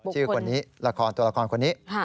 ชื่อตัวละครคนนี้